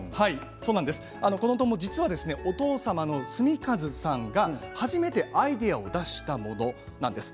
このトンボ実はお父様の純一さんが初めてアイデアを出したものなんです。